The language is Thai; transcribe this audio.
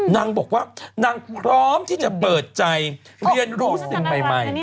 นางบอกว่านางพร้อมที่จะเปิดใจเรียนรู้สิ่งใหม่